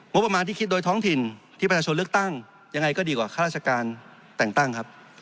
งบประมาณที่คิดโดยท้องถิ่นที่ประชาชนเลือกตั้งยังไงก็ดีกว่าข้าราชการแต่งตั้งครับ